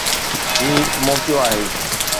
هي هڪ موقعو آهي.